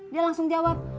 dia langsung jawab